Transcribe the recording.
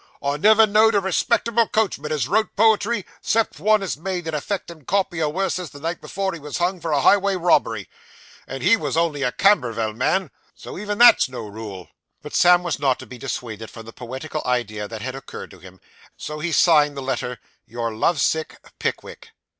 'I never know'd a respectable coachman as wrote poetry, 'cept one, as made an affectin' copy o' werses the night afore he was hung for a highway robbery; and he wos only a Cambervell man, so even that's no rule.' But Sam was not to be dissuaded from the poetical idea that had occurred to him, so he signed the letter 'Your love sick Pickwick.